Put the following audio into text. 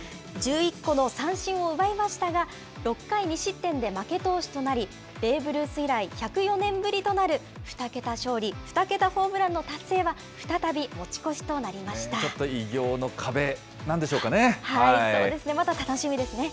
１１個の三振を奪いましたが、６回２失点で負け投手となり、ベーブ・ルース以来、１０４年ぶりとなる２桁勝利２桁ホームランの達成は、再び持ち越ちょっと偉業の壁なんでしょそうですね。